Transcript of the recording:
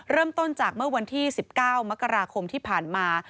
เริ่มต้นจากเมื่อวันที่๑๙มกราคมที่ผ่านมา